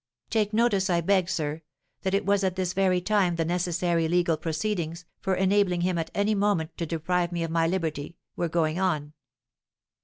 "Take notice, I beg, sir, that it was at this very time the necessary legal proceedings, for enabling him at any moment to deprive me of my liberty, were going on."